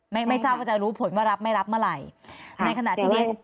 ไม่ไม่ทราบว่าจะรู้ผลว่ารับไม่รับเมื่อไหร่ในขณะที่เนี้ย